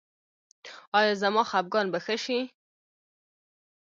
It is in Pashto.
ایا زما خپګان به ښه شي؟